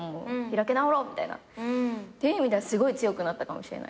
開き直ろうみたいな。っていう意味ではすごい強くなったかもしれないですね。